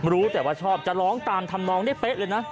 รู้แต่ว่าชอบจะร้องตามทำนองได้เป๊ะเลยนะ